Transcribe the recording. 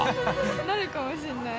なるかもしれない。